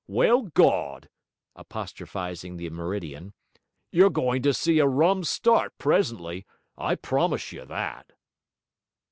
Well, Gawd!' apostrophising the meridian, 'you're goin' to see a rum start presently, I promise you that!'